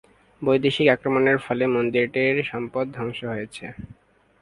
বৈদেশিক আক্রমনের ফলে মন্দিরটির সম্পদ ধংস হয়েছে।